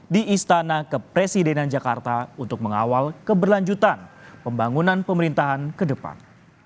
di istana kepresidenan jakarta untuk mengawal keberlanjutan pembangunan pemerintahan ke depan